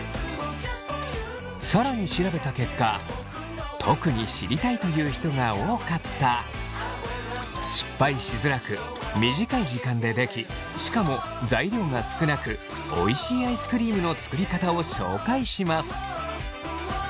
更に調べた結果特に知りたいという人が多かった失敗しづらく短い時間でできしかも材料が少なくおいしいアイスクリームの作りかたを紹介します。